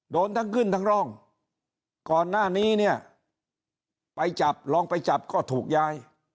โดนทั้งขึ้นทั้งร่องก่อนหน้านี้เนี่ยไปจับลองไปจับก็ถูกย้าย